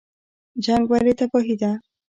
جنګ ولې تباهي ده؟